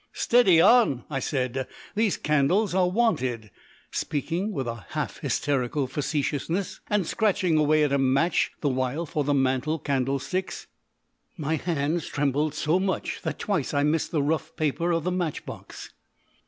"Steady on!" I said. "These candles are wanted," speaking with a half hysterical facetiousness, and scratching away at a match the while for the mantel candlesticks. My hands trembled so much that twice I missed the rough paper of the matchbox.